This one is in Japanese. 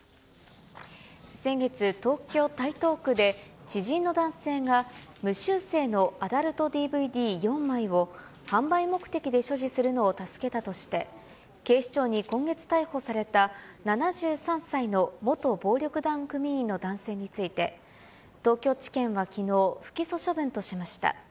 先月、東京・台東区で知人の男性が無修正のアダルトＤＶＤ４枚を販売目的で所持するのを助けたとして、警視庁に今月逮捕された７３歳の元暴力団組員の男性について、東京地検はきのう、不起訴処分としました。